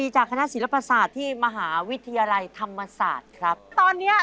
จะใช่ไหมเนี่ย